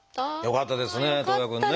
よかったです。